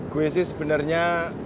gua sih sebenarnya